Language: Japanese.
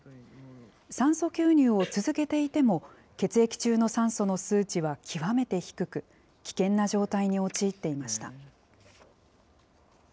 酸素吸入を続けていても、血液中の酸素の数値は極めて低く、危険な状態に陥っていました。